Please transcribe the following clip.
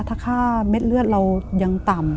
ถ้าค่าเม็ดเลือดเรายังต่ำ